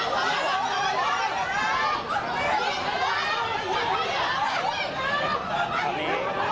โปรดติดตามตอนต่อไป